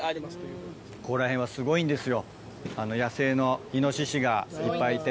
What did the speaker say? ここら辺はすごいんですよ、野生のイノシシがいっぱいいて。